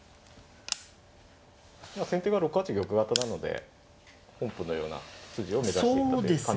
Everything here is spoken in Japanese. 先手が６八玉型なので本譜のような筋を目指していった感じなんでしょうかね。